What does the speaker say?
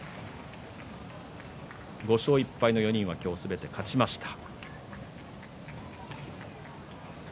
５勝１敗の４人は今日すべて勝ちました。